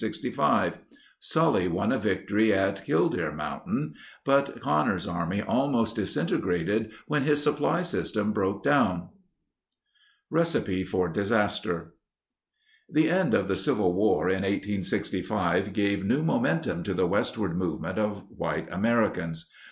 Sully won a victory at Kill 13 deer Mountain, but Connor's army almost disinte grated when his supply system broke down. Recipe for Disaster The end of the Civil War in 1865 gave new momen tum to the westward movement of white Americans.